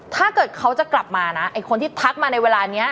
ถ้าเกิดเขาจะกลับมานะไอ้คนที่ทักมาในเวลานี้